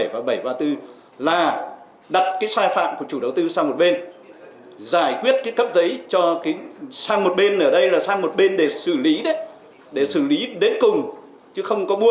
bảy và bảy và bốn là đặt cái sai phạm của chủ đầu tư sang một bên giải quyết cái cấp giấy cho cái sang một bên ở đây là sang một bên để xử lý đấy để xử lý đến cùng chứ không có mua